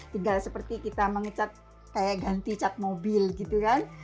tinggal seperti kita mengecat kayak ganti cat mobil gitu kan